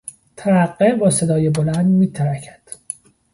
ترقه با صدای بلند میترکد.